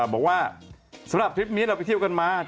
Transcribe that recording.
บอกว่าสำหรับทริปนี้เราไปเที่ยวกันมา